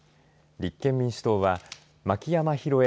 立憲民主党は牧山ひろえ